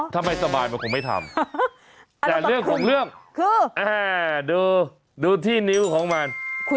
แต่เรื่องของเรื่องดูที่นิ้วของมัน